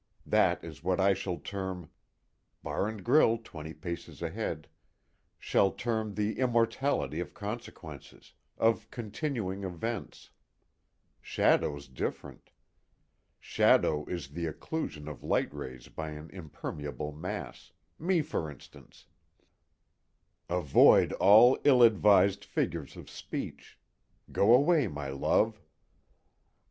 That is what I shall term (BAR AND GRILL twenty paces ahead) shall term the immortality of consequences, of continuing events. Shadow's different. Shadow is the occlusion of light rays by an impermeable mass, me for instance. Avoid all ill advised figures of speech. Go away, my love!